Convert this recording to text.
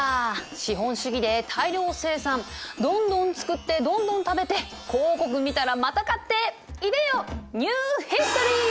資本主義で大量生産どんどん作ってどんどん食べて広告見たらまた買っていでよニューヒストリー！